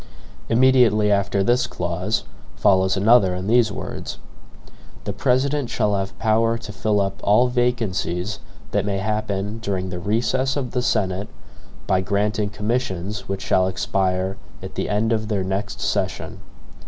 Immediately after this clause follows another in these words: "The President shall have power to fill up all VACANCIES that may happen DURING THE RECESS OF THE SENATE, by granting commissions which shall EXPIRE AT THE END OF THEIR NEXT SESSION."